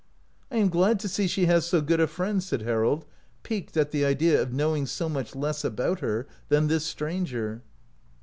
"I am glad to see she has so good a friend," said Harold, piqued at the idea of knowing so much less about her than this stranger.